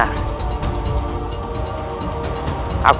aku akan mencari